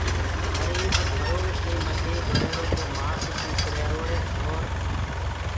هر ايڪ گھرو ڪي مٿي گُھريرو ڪو مآس سوڪ هيروئي اور